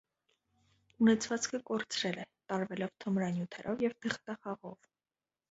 Ունեցվածքը կորցրել է՝ տարվելով թմրանյութերով և թղթախաղով։